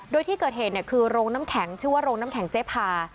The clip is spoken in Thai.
โดยที่เกิดเหตุคือโรงน้ำแข็งชื่อว่าโรงน้ำแข็งเจ๊พา